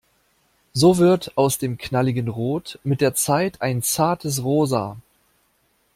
So wird aus dem knalligen Rot mit der Zeit ein zartes Rosa.